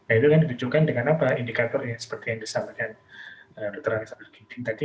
itu kan ditunjukkan dengan apa indikatornya seperti yang disampaikan dr raffi sambal ginting tadi